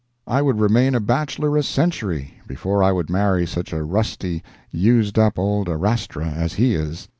I would remain a bachelor a century before I would marry such a rusty, used up old arastra as he is.